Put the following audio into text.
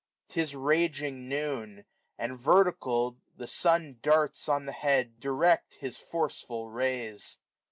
K 66 SVMMEIL 'Ti8 raging Noon ; and, vertical, the Sun Darts on the bead direct his forceful rays.